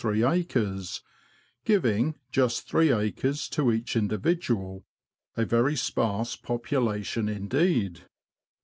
9 acres, giving just three acres to each individual — a very sparse population indeed.